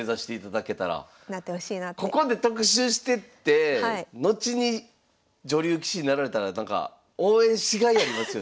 ここで特集してて後に女流棋士になられたらなんか応援しがいありますよね。